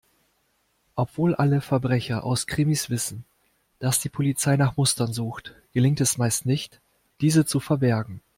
Obwohl alle Verbrecher aus Krimis wissen, dass die Polizei nach Mustern sucht, gelingt es meist nicht, diese zu verbergen.